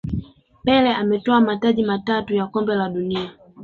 pele ametwaa mataji matatu ya kombe la dunia